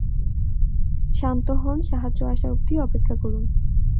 শান্ত হন, সাহায্য আসা অব্ধি অপেক্ষা করুন।